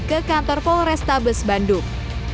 ke kantor polrestabes bandung